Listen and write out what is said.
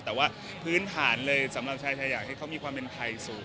แต่ว่าพื้นฐานเลยสำหรับชายไทยอยากให้เขามีความเป็นไทยสูง